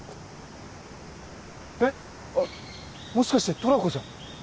えっもしかしてトラコじゃ？